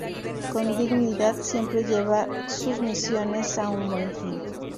Con dignidad, siempre lleva sus misiones a un buen fin.